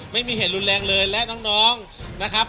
ไม่มีเหตุรุนแรงเลยและน้องนะครับ